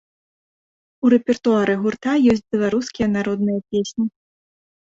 У рэпертуары гурта ёсць беларускія народныя песні.